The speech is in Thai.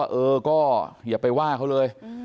ฝ่ายกรเหตุ๗๖ฝ่ายมรณภาพกันแล้ว